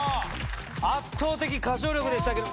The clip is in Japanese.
圧倒的歌唱力でしたけど。